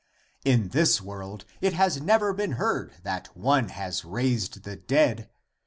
In this world it has never been heard that one has raised the dead.